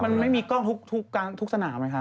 แล้วก็มันไม่มีกล้องทุกศาลไหมคะ